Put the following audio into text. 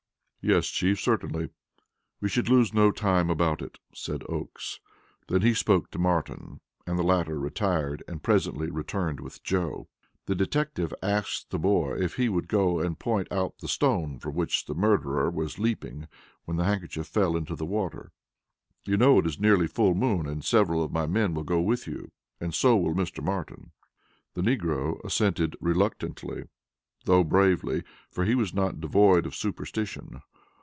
"Yes, Chief, certainly. We should lose no time about it," said Oakes. Then he spoke to Martin; and the latter retired and presently returned with Joe. The detective asked the boy if he would go and point out the stone from which the murderer was leaping when the handkerchief fell into the water. "You know it is nearly full moon and several of my men will go with you, and so will Mr. Martin." The negro assented reluctantly, though bravely, for he was not devoid of superstition.